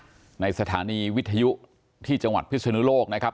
ในสถานีวิทยุที่จังหวัดพิศนุโลกนะครับ